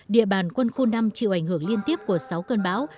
địa bàn quân khu năm chịu ảnh hưởng liên tiếp của sáu cơn bão